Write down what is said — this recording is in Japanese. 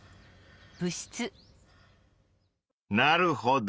なるほど。